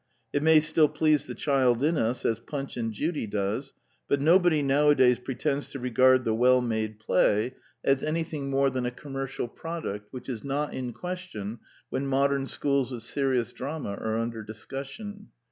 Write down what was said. It may still please the child in us as Punch and Judy does ; but nobody nowadays pre tends to regard the well made play as anything The Technical Novelty 221 more than a commercial product which is not in question when modern schools of serious drama are under discussion.